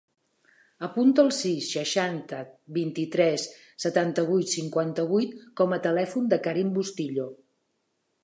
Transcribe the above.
Apunta el sis, seixanta, vint-i-tres, setanta-vuit, cinquanta-vuit com a telèfon del Karim Bustillo.